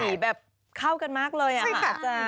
เปียกข้าวคุยกันมากเลยค่ะ